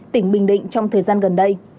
tỉnh bình định trong thời gian gần đây